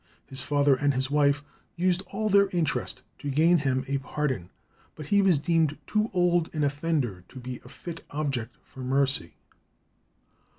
His father and his wife used all their interest to gain him a pardon, but he was deemed too old an offender to be a fit object for mercy.